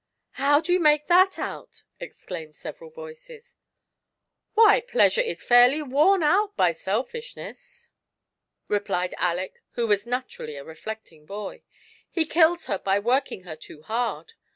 How do you make that out ?" exclaimed several voices. "Why, Pleasure is fairly worn out by Selfishness," 62 GIANT SELFISHNESS. replied Aleck, who was naturally a reflecting boy. " He kills her by working her too hard.